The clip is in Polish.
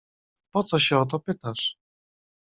"Po co się o to pytasz?"